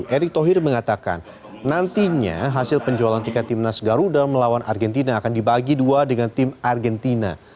erick thohir mengatakan nantinya hasil penjualan tiket timnas garuda melawan argentina akan dibagi dua dengan tim argentina